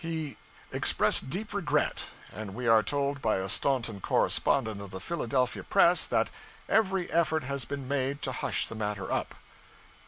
He 'expressed deep regret,' and we are told by a Staunton correspondent of the Philadelphia Press that 'every effort has been made to hush the matter up.'